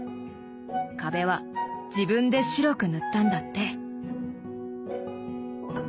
壁は自分で白く塗ったんだって。